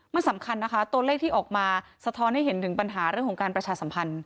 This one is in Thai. มันสำคัญนะคะตัวเลขที่ออกมาสะท้อนให้เห็นถึงปัญหาเรื่องของการประชาสัมพันธ์